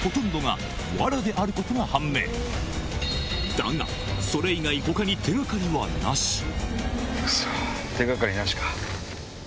だがそれ以外手掛かりなしか。